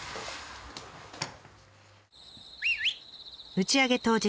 打ち上げ当日。